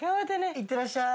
いってらっしゃい！